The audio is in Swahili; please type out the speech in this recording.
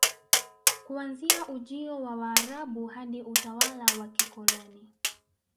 Kuanzia ujio wa Waarabu hadi utawala wa kikoloni